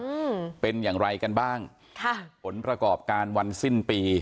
อืมเป็นอย่างไรกันบ้างค่ะผลประกอบการวันสิ้นปี